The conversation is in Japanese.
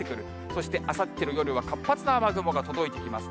そしてあさっての夜は活発な雨雲が届いてきます。